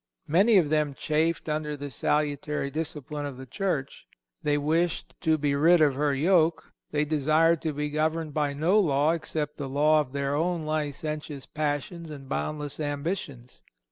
Many of them chafed under the salutary discipline of the Church. They wished to be rid of her yoke. They desired to be governed by no law except the law of their licentious passions and boundless ambitions.